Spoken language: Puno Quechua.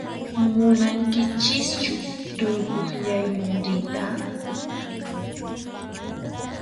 Munankichischu turupukllayman riyta?